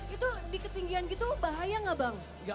itu di ketinggian gitu bahaya nggak bang